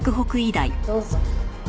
どうぞ。